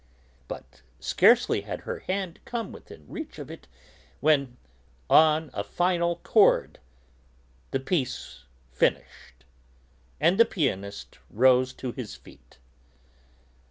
But scarcely had her hand come within reach of it when, on a final chord, the piece finished, and the pianist rose to his feet.